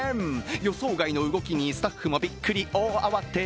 予想外の動きにスタッフもびっくり、大慌て。